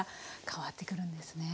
変わってくるんですね。